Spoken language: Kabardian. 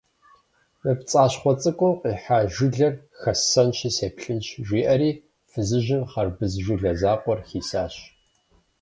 «Мы пцӀащхъуэ цӀыкӀум къихьа жылэр хэссэнщи сеплъынщ», - жиӀэри фызыжьым хъэрбыз жылэ закъуэр хисащ.